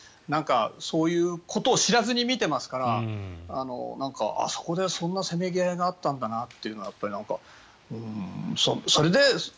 そういうことを知らずに見ていますからあそこでそんなせめぎ合いがあったんだなって。